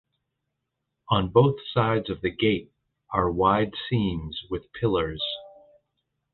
On both sides of the gate are wide seams with pillars.